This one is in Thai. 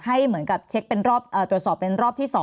เหมือนกับเช็คเป็นรอบตรวจสอบเป็นรอบที่๒